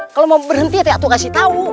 kalau mau berhenti aku kasih tau